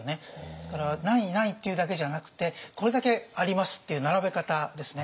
ですから何位何位っていうだけじゃなくてこれだけありますっていう並べ方ですね。